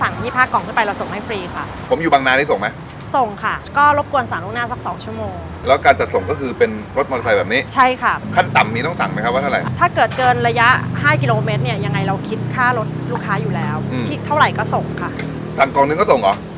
๕กิโลเมตรเนี่ยต้องสั่ง๒๕ห้ากองไปไปเราส่งให้ฟรีค่ะผมอยู่บางนานได้ส่งไหมส่งค่ะก็รบกวนสั่งลูกหน้าสัก๒ชั่วโมงแล้วการจัดส่งก็คือเป็นรถมอเตอร์ไฟแบบนี้ใช่ค่ะขั้นต่ำมีต้องสั่งไหมครับว่าเท่าไหร่ถ้าเกิดเกินระยะ๕กิโลเมตรเนี่ยยังไงเราคิดค่ารถลูกค้าอยู่แล้วที่เท่าไหร่ก็ส